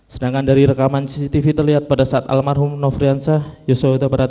sedangkan dari rekaman cctv terlihat pada saat almarhum nofriansah yosua huta barat